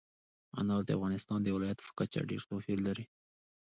انار د افغانستان د ولایاتو په کچه ډېر توپیر لري.